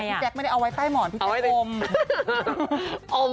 แจ๊คไม่ได้เอาไว้ใต้หมอนพี่แจ๊คม